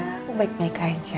aku baik baik aja